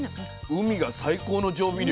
海が最高の調味料。